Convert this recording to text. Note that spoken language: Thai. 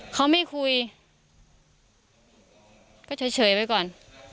เขาไม่คุยก็เฉยไว้ก่อน